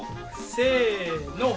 せの。